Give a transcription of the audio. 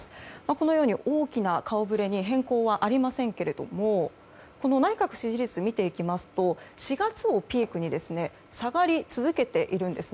このように大きな顔ぶれに変更はありませんけども内閣支持率を見ていきますと４月をピークに下がり続けているんです。